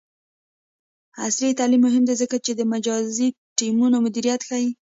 عصري تعلیم مهم دی ځکه چې د مجازی ټیمونو مدیریت ښيي.